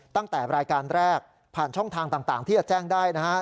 ตั้งแต่รายการแรกผ่านช่องทางต่างที่จะแจ้งได้นะฮะ